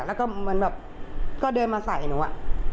แล้วก็เหมือนแบบก็เดินมาใส่หนูอะ